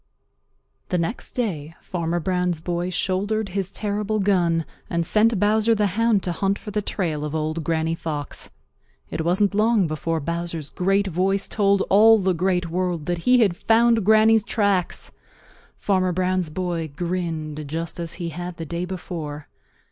The next day Farmer Brown's boy shouldered his terrible gun and sent Bowser the Hound to hunt for the trail of Old Granny Fox. It wasn't long before Bowser's great voice told all the Great World that he had found Granny's tracks. Farmer Brown's boy grinned just as he had the day before.